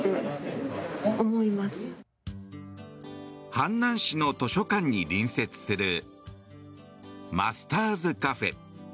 阪南市の図書館に隣接するマスターズＣａｆｅ。